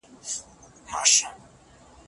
لکه لمر په اسمان کې.